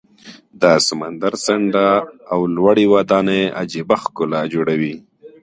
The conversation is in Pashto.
د سمندر څنډه او لوړې ودانۍ عجیبه ښکلا جوړوي.